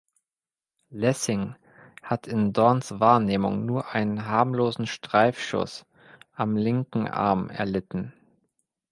Lessing hat in Dorns Wahrnehmung nur einen harmlosen Streifschuss am linken Arm erlitten.